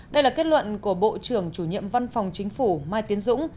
đây là kết luận của bộ trưởng chủ nhiệm văn phòng chính phủ mai tiến dũng